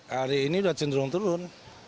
hari ini sudah cenderung turun